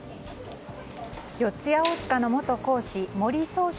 四谷大塚の元講師森崇翔